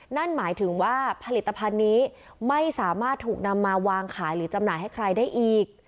นั่นหมายถึงว่าผลิตภัณฑ์นี้ไม่สามารถถูกนำมาวางขายหรือจำหน่ายให้ใครได้อีก